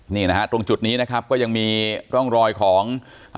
นี่นะฮะตรงจุดนี้นะครับก็ยังมีร่องรอยของ